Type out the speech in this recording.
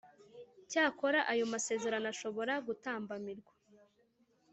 Cyakora ayo masezerano ashobora gutambamirwa